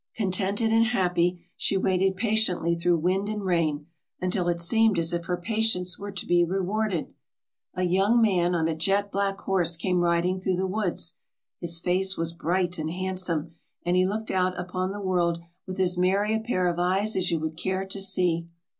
Contented and happy, she waited patiently through wind and rain, until it seemed as if her patience were to be rewarded. A young man on a jet black horse came riding through the woods. His face was bright and handsome, and he looked out upon the world with as merry a pair of eyes as you would care to see.